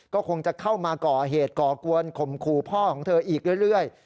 ก็คงจะเข้ามาก่อเหตุก่อกวนข่มขู่พ่อของเธออีกเรื่อย